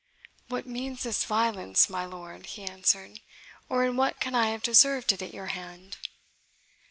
"What means this violence, my lord?" he answered, "or in what can I have deserved it at your hand?"